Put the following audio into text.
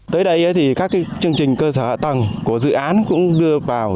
tới đây thì các chương trình cơ sở hạ tầng của dự án cũng đưa vào